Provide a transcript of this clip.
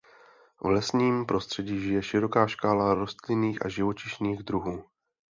V lesním prostředí žije široká škála rostlinných a živočišných druhů.